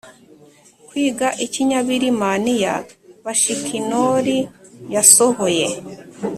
kwiga ikinyabirimaniya bashiKnorr yasohoye